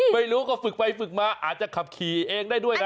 ไม่รู้ก็ฝึกไปฝึกมาอาจจะขับขี่เองได้ด้วยนะ